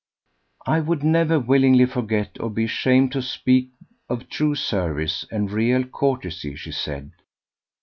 "I would never willingly forget or be ashamed to speak of true service and real courtesy," she said.